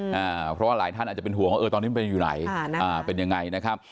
เพราะว่าหลายท่านอาจจะเป็นห่วงว่าเออตอนนี้มันเป็นอยู่ไหนอ่าเป็นยังไงนะครับ